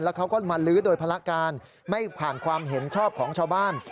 เขาก็มาลื้อโดยภารการไม่ผ่านความเห็นชอบของชาวบ้าน